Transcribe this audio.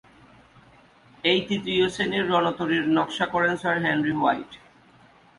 এই "তৃতীয় শ্রেণীর রণতরী"র নকশা করেন স্যার হেনরি হোয়াইট।